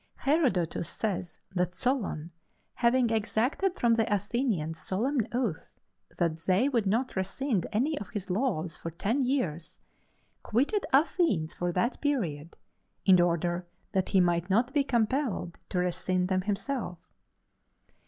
Herodotus says that Solon, having exacted from the Athenians solemn oaths that they would not rescind any of his laws for ten years, quitted Athens for that period, in order that he might not be compelled to rescind them himself.